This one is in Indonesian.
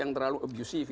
yang terlalu abusive